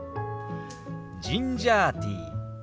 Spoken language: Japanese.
ジンジャーティー。